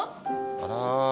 あら。